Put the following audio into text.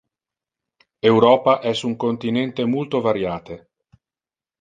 Europa es un continente multo variate.